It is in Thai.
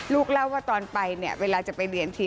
ลูกเล่าว่าตอนไปเวลาจะไปเรียนที